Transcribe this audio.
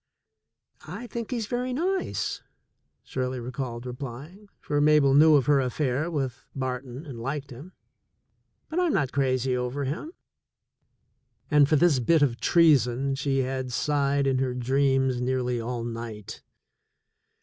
"I think he's very nice," Shirley recalled replying, for Mabel knew of her affair with Barton and liked him, "but I'm not crazy over him." And for this bit of treason she had sighed in her dreams nearly all night.